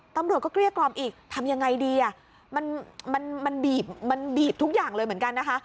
ตำรวจก็เกลี้ยกล่อมอีกทำยังไงดีอ่ะมันมันบีบมันบีบทุกอย่างเลยเหมือนกันนะคะ